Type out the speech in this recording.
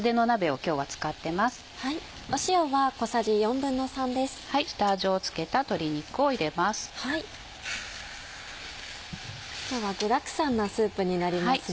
今日は具だくさんのスープになりますね。